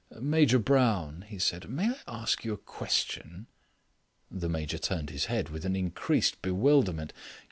"Major Brown," he said, "may I ask you a question?" The Major turned his head with an increased bewilderment.